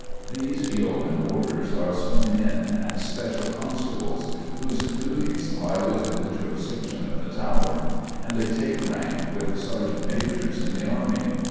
These Yeomen Warders are sworn in as special constables, whose duties lie within the jurisdiction of the Tower, and they take rank with sergeant majors in the army.